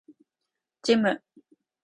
ジム